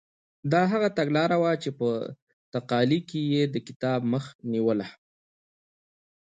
دا هغه تګلاره وه چې په تقالي کې یې د کتاب مخه نیوله.